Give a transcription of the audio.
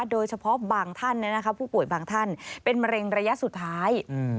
โดยเฉพาะบางท่านผู้ป่วยบางท่านเป็นมะเร็งระยะสุดท้าย